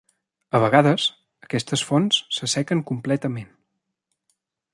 A vegades, aquestes fonts s'assequen completament.